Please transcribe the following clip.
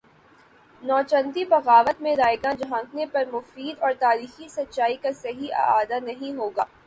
نوچندی بغاوت میں رائیگاں جھانکنے پر مفید اور تاریخی سچائی کا صحیح اعادہ نہیں ہو گا